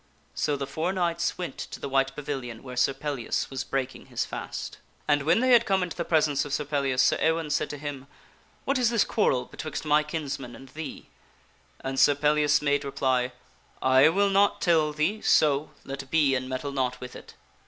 So the four knights went to the white pavilion where Sir Pellias was break ing his fast. And when they had come into the presence of Sir Pellias, Sir Ewaine said to him, " What is this quarrel betwixt my kinsman and thee ?" And Sir Pellias made reply, " I will not tell thee, so, let be and meddle not with it."